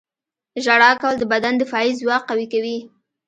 • ژړا کول د بدن دفاعي ځواک قوي کوي.